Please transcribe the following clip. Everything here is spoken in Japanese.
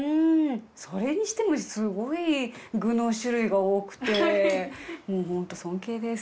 それにしてもすごい具の種類が多くてもうホント尊敬です。